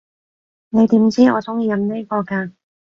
你點知我中意飲呢個㗎？